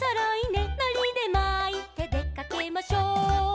「のりでまいてでかけましょう」